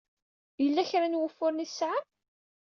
Yella kra n wufuren ay tesɛam?